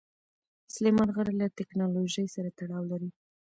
سلیمان غر له تکنالوژۍ سره تړاو لري.